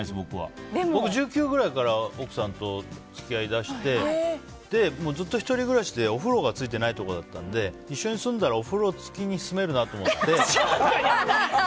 僕は１９ぐらいから奥さんと付き合いだしてずっと１人暮らしでお風呂が付いていないところだったので一緒に住んだらお風呂付きに住めるなと思って。